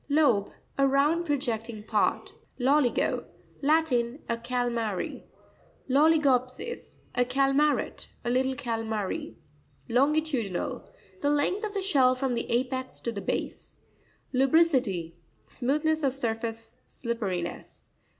Loze.—A round projecting part. Lo'tico.—Latin. <A calmary. Louico'psis.—A calmaret; a little calmary. Lonaitu'pinaL.—The length of the shell from the apex to the base. Lusri'ciry.—Smoothness of surface, slipperiness.